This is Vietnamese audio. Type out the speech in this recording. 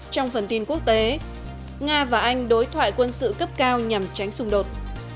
trong phần tin quốc tế nga và anh đối thoại quân sự cấp cao nhằm tránh xung đột